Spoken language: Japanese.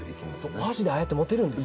お箸でああやって持てるんです。